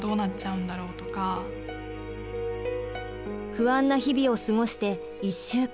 不安な日々を過ごして１週間。